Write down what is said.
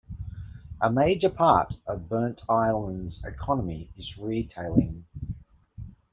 A major part of Burntisland's economy is retailing.